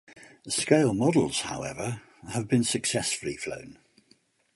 Scale models, however, have been successfully flown.